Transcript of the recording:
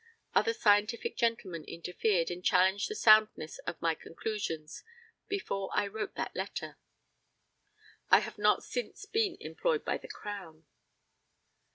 Other scientific gentlemen interfered, and challenged the soundness of my conclusions before I wrote that letter. I have not since been employed by the Crown.